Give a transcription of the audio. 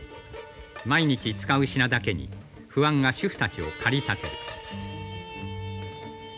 毎日使う品だけに不安が主婦たちを駆り立てる」。